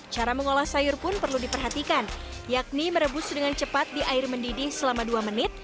cara mengolah sayur pun perlu diperhatikan yakni merebus dengan cepat di air mendidih selama dua menit